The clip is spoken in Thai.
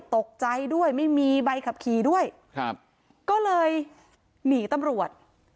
ตกใจด้วยไม่มีใบขับขี่ด้วยครับก็เลยหนีตำรวจ